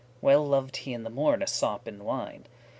Well lov'd he in the morn a sop in wine.